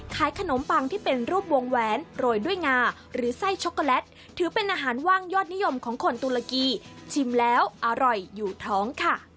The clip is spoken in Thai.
ขายขนมปังที่เป็นรูปวงแหวนโรยด้วยงาหรือไส้ช็อกโกแลตถือเป็นอาหารว่างยอดนิยมของคนตุรกีชิมแล้วอร่อยอยู่ท้องค่ะ